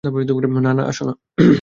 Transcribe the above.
না, না, আসো না।